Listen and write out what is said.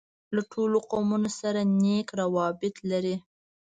له ټولو قومونوسره نېک راوبط لري.